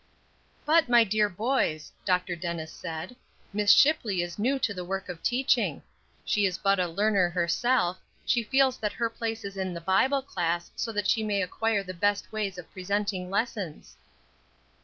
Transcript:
"But, my dear boys," Dr. Dennis said, "Miss Shipley is new to the work of teaching; she is but a learner herself; she feels that her place is in the Bible class, so that she may acquire the best ways of presenting lessons."